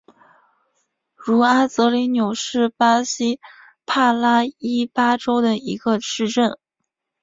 茹阿泽里纽是巴西帕拉伊巴州的一个市镇。